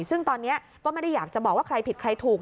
ซึ่งตอนนี้ก็ไม่ได้อยากจะบอกว่าใครผิดใครถูก